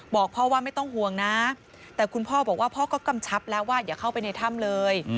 บอกพ่อว่าไม่ต้องห่วงนะแต่คุณพ่อบอกว่าพ่อก็กำชับแล้วว่าอย่าเข้าไปในถ้ำเลย